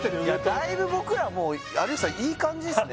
だいぶ僕らはもう有吉さんいい感じですね